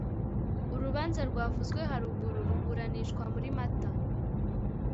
urubanza rwavuzwe haruguru ruburanishwa muri mata